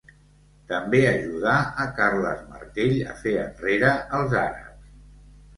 També ajudà a Carles Martell a fer enrere els àrabs.